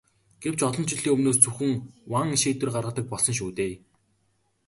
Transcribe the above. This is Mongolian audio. Гэвч олон жилийн өмнөөс зөвхөн ван шийдвэр гаргадаг болсон шүү дээ.